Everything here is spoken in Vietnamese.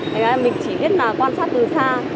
thế nên là mình chỉ biết là quan sát từ xa